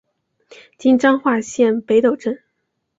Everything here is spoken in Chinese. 今彰化县北斗镇。